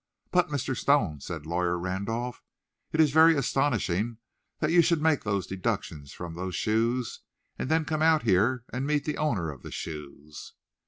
"But, Mr. Stone," said Lawyer Randolph, "it is very astonishing that you should make those deductions from those shoes, and then come out here and meet the owner of the shoes."